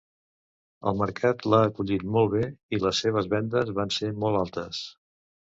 El mercat l'ha acollit molt bé i les seves vendes van ser molt altes.